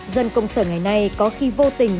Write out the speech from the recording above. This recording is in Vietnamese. dân công sở ngày nay có khi vô tình